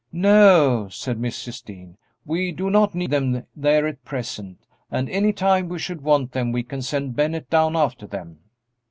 "No," said Mrs. Dean, "we do not need them there at present, and any time we should want them we can send Bennett down after them."